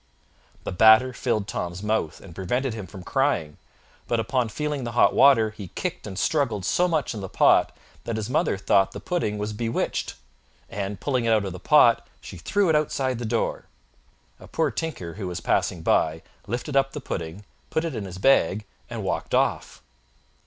The batter filled Tom's mouth, and prevented him from crying; but, upon feeling the hot water, he kicked and struggled so much in the pot that his mother thought that the pudding was bewitched, and, pulling it out of the pot, she threw it outside the door. A poor tinker, who was passing by, lifted up the pudding, put it in his bag, and walked off.